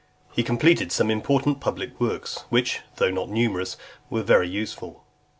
XX. He completed some important public works, which, though not numerous, were very useful.